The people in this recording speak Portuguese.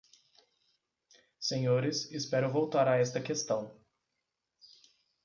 Senhores, espero voltar a esta questão.